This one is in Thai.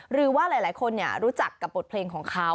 หรือว่าหลายคนรู้จักกับบทเพลงของเขา